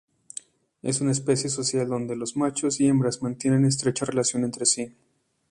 Es una especie social donde los machos y hembras mantienen estrecha relación entre sí.